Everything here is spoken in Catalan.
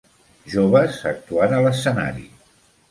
Joves actuant a l'escenari